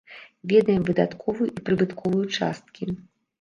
Ведаем выдатковую і прыбытковую часткі.